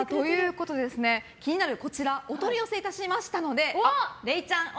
気になるこちらお取り寄せいたしましたので可愛い！